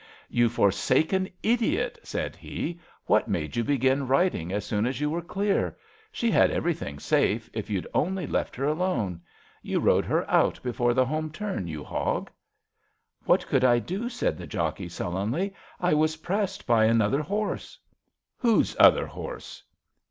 You forsaken idiot I *' said he, what made you begin riding as soon as you were clear ? She had everything safe, if you'd only left her alone. You rode her out before the home turn, you hog! '^What could I dof '^ said the jockey sullenly, I was pressed by another horse/' Whose * other horse'?